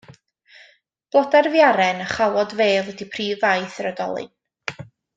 Blodau'r fiaren a chawod fêl ydy prif faeth yr oedolyn.